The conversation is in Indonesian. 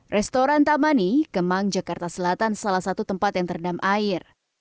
restoran tamani kemang jakarta selatan salah satu tempat yang terendam air